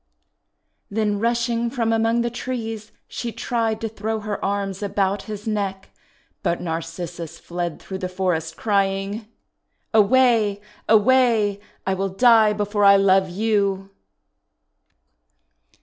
Then rushing from among the trees she tried to throw her arms about his neck, but Narcissus fled through the forest, crying: —" Away ! away! I will die before I love you